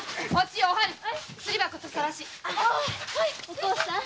お幸さん